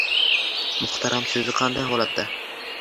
Muhtaram so‘zi qanday holatda?